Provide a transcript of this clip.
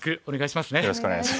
お願いします。